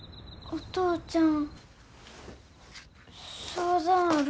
お父ちゃん